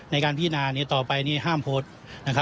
ในการพิจารณาต่อไปนี้ห้ามโพสต์